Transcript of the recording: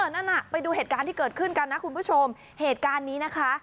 นั่นน่ะไปดูเหตุการณ์ที่เกิดขึ้นกันนะคุณผู้ชมเหตุการณ์นี้นะคะ